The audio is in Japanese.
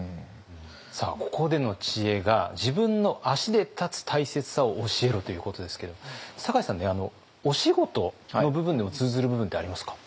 ここでの知恵が「自分の足で立つ大切さを教えろ」ということですけども酒井さんお仕事の部分でも通ずる部分ってありますか？